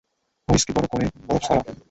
Whisky, বড়ো করে, বরফ ছাড়া।